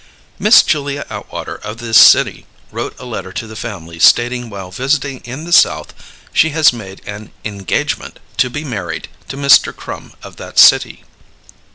Miss Julia Atwater of this City wrote a letter to the family stating while visiting in the SOuth she has made an engagement to be married to MR. Crum of that City.